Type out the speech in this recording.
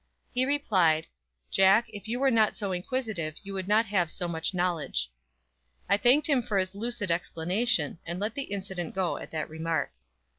He replied: "Jack, if you were not so inquisitive you would not have so much knowledge!" I thanked him for his lucid explanation, and let the incident go at that remark.